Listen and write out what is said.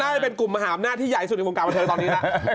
น่าจะเป็นกลุ่มมหาบหน้าที่ใหญ่สุดในกลุ่มการบันเทิงตอนนี้แล้ว